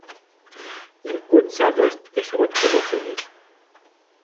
Il ôte sa veste et se retrouve en chemise.